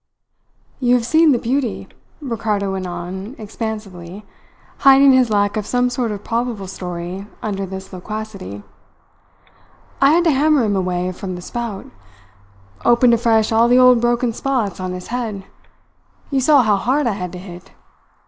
"You have seen the beauty," Ricardo went on expansively, hiding his lack of some sort of probable story under this loquacity. "I had to hammer him away from the spout. Opened afresh all the old broken spots on his head. You saw how hard I had to hit.